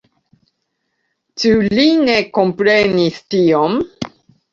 Ĉu li ne komprenis tion?